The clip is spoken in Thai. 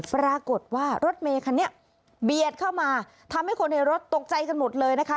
ปรากฏว่ารถเมคันนี้เบียดเข้ามาทำให้คนในรถตกใจกันหมดเลยนะคะ